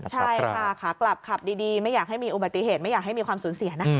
ใช่ค่ะขากลับขับดีไม่อยากให้มีอุบัติเหตุไม่อยากให้มีความสูญเสียนะ